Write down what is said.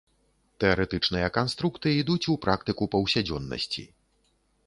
Тэарэтычныя канструкты ідуць у практыку паўсядзённасці.